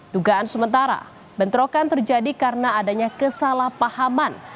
dugaan sementara bentrokan terjadi karena adanya kesalahpahaman